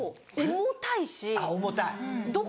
重たい？